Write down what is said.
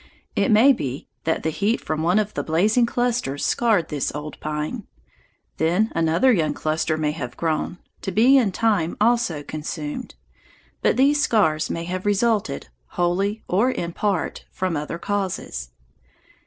It may be that the heat from one of the blazing clusters scarred this old pine; then another young cluster may have grown, to be in time also consumed. But these scars may have resulted, wholly or in part, from other causes.